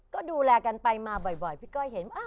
ก็ดูแลกันไปมาบ่อยพี่ก้อยเห็น